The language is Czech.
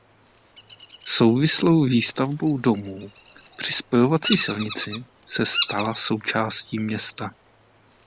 Souvislou výstavbou domů při spojovací silnici se stala součástí města.